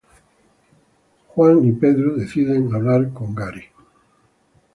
Harry y Ron deciden hablar con Hagrid.